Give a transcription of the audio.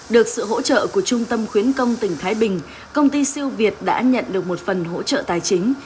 được sự hỗ trợ của trung tâm khuyến công tỉnh thái bình công ty siêu việt đã nhận được một phần hỗ trợ tài chính